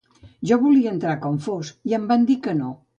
Jo volia entrar com fos, i em van dir que no.